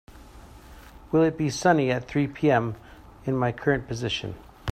Will it be sunny at three pm in my current position